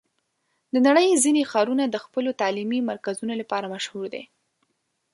د نړۍ ځینې ښارونه د خپلو تعلیمي مرکزونو لپاره مشهور دي.